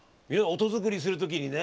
音作りする時にね